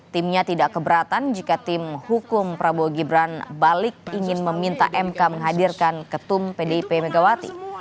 timnya tidak keberatan jika tim hukum prabowo gibran balik ingin meminta mk menghadirkan ketum pdip megawati